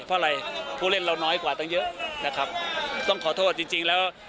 เพราะอะไรผู้เล่นเราน้อยกว่าตั้งเยอะนะครับต้องขอโทษจริงจริงแล้ว